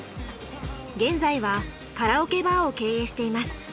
現在はカラオケバーを経営しています。